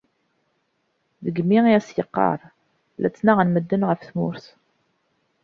Degmi i as-yeqqar: " La ttnaɣen medden γef tmurt.